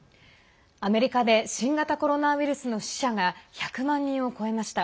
アメリカで新型コロナウイルスの死者が１００万人を超えました。